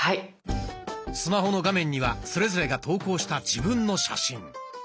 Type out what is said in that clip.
スマホの画面にはそれぞれが投稿した自分の写真。